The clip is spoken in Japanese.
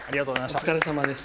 お疲れさまです。